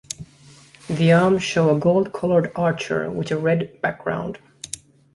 The arms show a gold-colored archer with a red background.